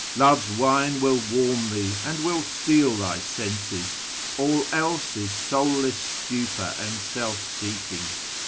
Love's wine will warm thee, and will steal thy senses ; All else is soulless stupor and self seeking.